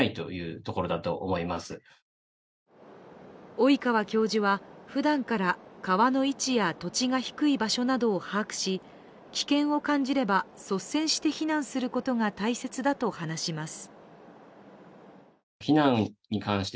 及川教授はふだんから川の位置や土地が低い場所などを把握し、危険を感じれば率先して避難することが大切だと話します。